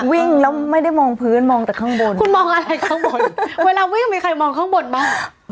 วิ่งแล้วไม่ได้มองพื้นมองแต่ข้างบนคุณมองอะไรข้างบนเวลาวิ่งมีใครมองข้างบนบ้าง